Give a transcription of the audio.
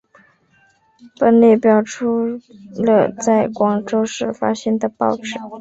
本表列出了在广州市发行的报纸。